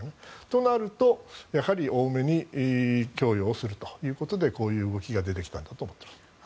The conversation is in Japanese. となると多めに供与するということでこういう動きが出てきたんだと思います。